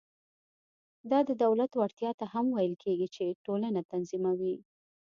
دا د دولت وړتیا ته هم ویل کېږي چې ټولنه تنظیموي.